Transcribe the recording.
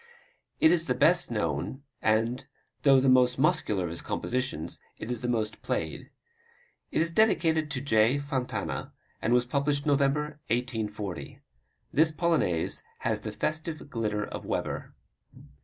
It is the best known and, though the most muscular of his compositions, it is the most played. It is dedicated to J. Fontana, and was published November, 1840. This Polonaise has the festive glitter of Weber.